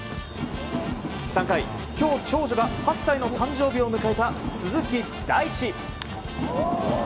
３回、今日長女が８歳の誕生日を迎えた鈴木大地。